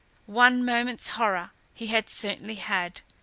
One moment's horror he had certainly had.